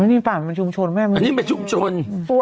นี่ป่ามันชุมชนแม่อันนี้มันชุมชน